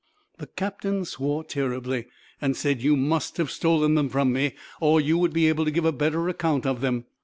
The captain swore terribly, and said, "You must have stolen them from me, or you would be able to give a better account of them!"